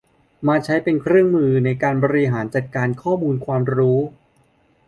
มาใช้เป็นเครื่องมือในการบริหารจัดการข้อมูลความรู้